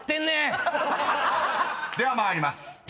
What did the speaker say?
［では参ります］